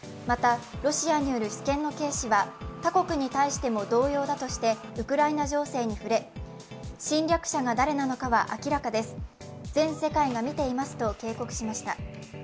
また、ロシアによる主権の軽視は他国に対しても同様だとしてウクライナ情勢に触れ侵略者が誰なのかは明らかです、全世界が見ていますと警告しました。